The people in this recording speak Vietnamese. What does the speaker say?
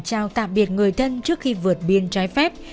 trao tạm biệt người thân trước khi vượt biên trái phép